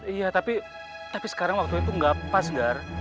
iya tapi sekarang waktu itu gak pas enggar